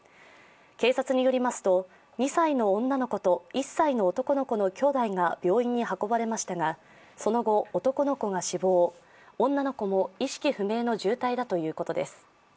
警察によりますと、２歳の女の子と１歳の男の子のきょうだいが病院に運ばれましたが、その後男の子が死亡、女の子も意識不明の重体だということです。